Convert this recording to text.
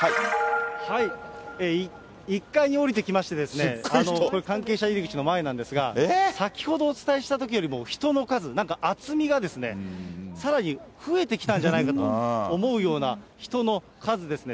１階に下りてきまして、関係者入り口の前なんですが、先ほどお伝えしたときよりも人の数、なんか厚みがさらに増えてきたんじゃないかと思うような、人の数ですね。